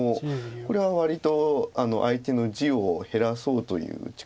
これは割と相手の地を減らそうという打ち方ですよね。